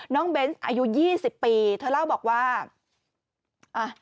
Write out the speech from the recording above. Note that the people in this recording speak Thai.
เบนส์อายุยี่สิบปีเธอเล่าบอกว่าอ่ะ